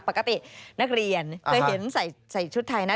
ปกตินักเรียนเคยเห็นใส่ชุดไทยนะ